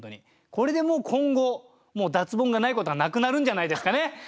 これでもう今後脱ボンがないことはなくなるんじゃないですかね。